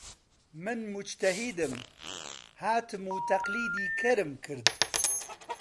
من موجتەهیدم، هاتم و تەقلیدی کەرم کرد